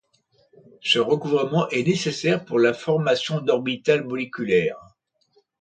Ce recouvrement est nécessaire pour la formation d'orbitales moléculaires.